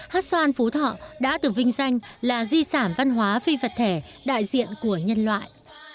hát xoan phú thọ đã được vinh danh là di sản văn hóa phi vật thể đại diện của nhân loại